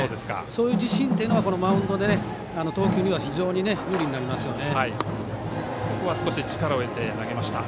そういう自信というのはマウンドで投球には非常に有利になりますよね。